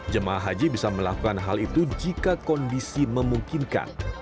jemaah haji bisa melakukan hal itu jika kondisi memungkinkan